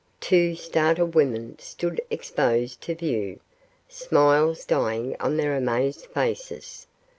Two startled women stood exposed to view, smiles dying on their amazed faces.